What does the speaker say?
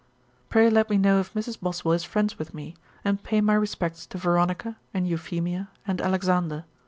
'Pray let me know if Mrs. Boswell is friends with me, and pay my respects to Veronica, and Euphemia, and Alexander.